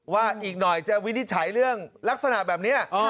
อีกหน่อยจะวินิจฉัยเรื่องลักษณะแบบนี้